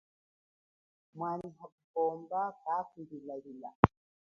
Mwana hakupomba kaku lilalila.